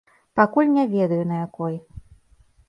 Пакуль не ведаю, на якой.